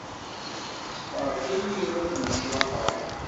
Ssefreḥ-iyi, ad nnecraḥeɣ.